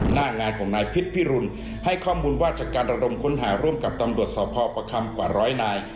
หน้างานของนายพิษพิรุณให้ข้อมูลว่าจากการระดมค้นหาร่วมกับตำรวจสพประคำกว่าร้อยนาย